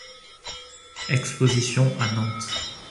Exposition à Nantes.